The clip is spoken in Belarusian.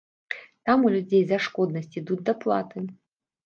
Там у людзей за шкоднасць ідуць даплаты.